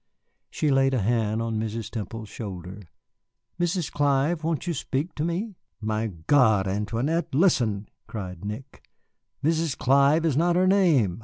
She laid a hand on Mrs. Temple's shoulder. "Mrs. Clive, won't you speak to me?" "My God, Antoinette, listen!" cried Nick; "Mrs. Clive is not her name.